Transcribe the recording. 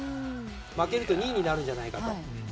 負けると２位になるんじゃないかと。